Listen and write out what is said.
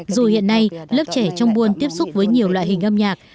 dù hiện nay lớp trẻ trong buôn tiếp xúc với nhiều loại hình âm nhạc